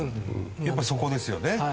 やっぱそこですよね。